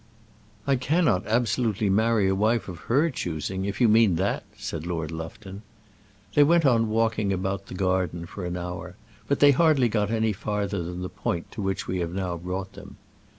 "I cannot absolutely marry a wife of her choosing, if you mean that," said Lord Lufton. They went on walking about the garden for an hour, but they hardly got any farther than the point to which we have now brought them.